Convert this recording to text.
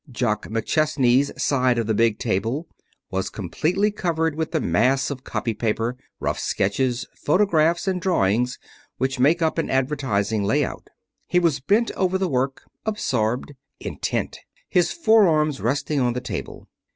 Jock McChesney's side of the big table was completely covered with the mass of copy paper, rough sketches, photographs and drawings which make up an advertising lay out. He was bent over the work, absorbed, intent, his forearms resting on the table.